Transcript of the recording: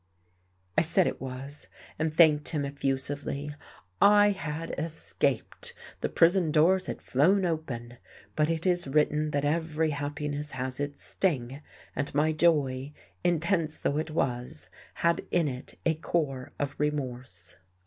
I said it was, and thanked him effusively.... I had escaped, the prison doors had flown open. But it is written that every happiness has its sting; and my joy, intense though it was, had in it a core of remorse....